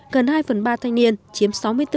gần hai phần ba thanh niên chiếm sáu mươi bốn